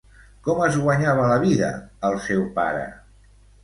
Com es guanyava la vida el seu pare?